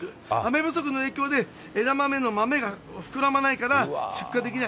雨不足の影響で枝豆の豆が膨らまないから出荷できない。